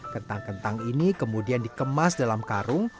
kentang kentang ini kemudian dikemas dalam karung